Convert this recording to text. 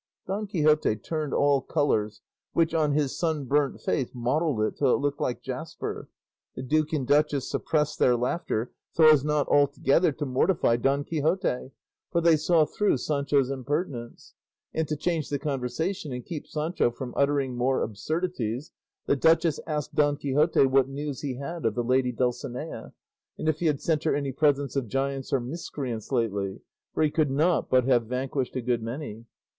Don Quixote turned all colours, which, on his sunburnt face, mottled it till it looked like jasper. The duke and duchess suppressed their laughter so as not altogether to mortify Don Quixote, for they saw through Sancho's impertinence; and to change the conversation, and keep Sancho from uttering more absurdities, the duchess asked Don Quixote what news he had of the lady Dulcinea, and if he had sent her any presents of giants or miscreants lately, for he could not but have vanquished a good many.